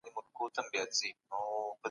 پخوا مولده پانګي ته پام نه کیده.